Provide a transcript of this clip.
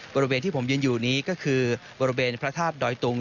บริเวณที่ผมยืนอยู่นี้ก็คือบริเวณพระธาตุดอยตุง